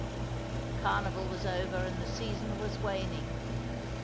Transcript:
The carnival was over, and the season was waning.